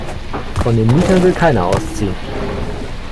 Von den Mietern will keiner ausziehen.